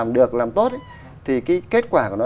đã có thể